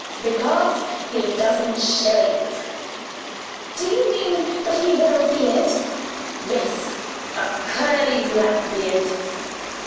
"Because he doesn't shave." "Do you mean that he wore a beard?" "Yes; a curly black beard."